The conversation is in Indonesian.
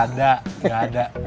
enggak ada enggak ada